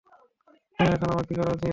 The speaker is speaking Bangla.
জেনারেল, এখন আমার কী করা উচিৎ?